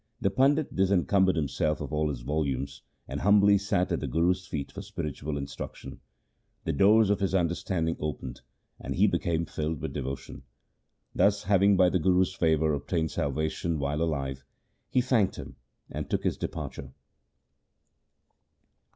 The pandit dis encumbered himself of all his volumes, and humbly sat at the Guru's feet for spiritual instruction. The doors of his understanding opened, and he became filled with devotion. Thus having, by the Guru's favour, obtained salvation while alive, he thanked him and took his departure.